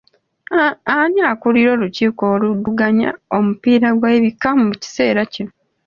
Ani akulira olukiiko oluddukanya omipiira gy'ebika mu kiseera kino?